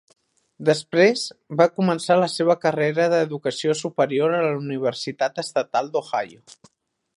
Després, va començar la seva carrera d'educació superior a la Universitat Estatal d'Ohio.